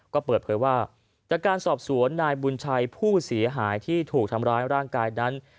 ก็เปิดเผยว่าจากการสอบสวนนายบุญชัยผู้เสียหายที่ถูกทำร้ายร่างกายนั้น